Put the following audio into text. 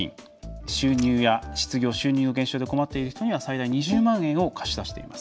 収入や失業、収入の減少で困っている人には最大２０万円を貸し出しています。